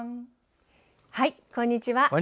こんにちは。